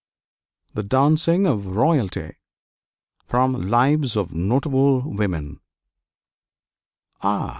THE DANCING OF ROYALTY From 'Lives of Notable Women' Ah!